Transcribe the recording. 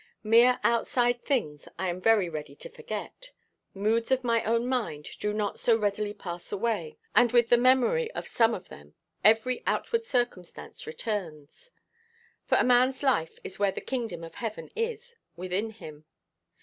Mere outside things I am very ready to forget. Moods of my own mind do not so readily pass away; and with the memory of some of them every outward circumstance returns; for a man's life is where the kingdom of heaven is within him.